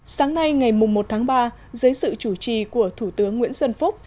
sáng nay ngày một tháng ba dưới sự chủ trì của thủ tướng nguyễn xuân phúc